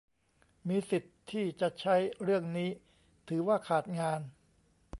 มีสิทธิ์ที่จะใช้เรื่องนี้ถือว่าขาดงาน